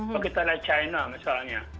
kalau kita lihat china misalnya